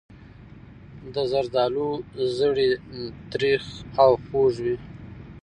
د زردالو زړې تریخ او خوږ وي.